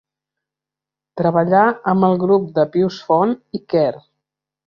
Treballà amb el grup de Pius Font i Quer.